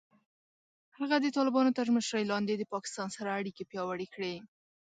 هغه د طالبانو تر مشرۍ لاندې د پاکستان سره اړیکې پیاوړې کړې.